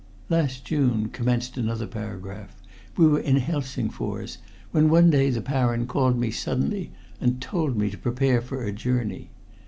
"Last June," commenced another paragraph, "we were in Helsingfors, when one day the Baron called me suddenly and told me to prepare for a journey.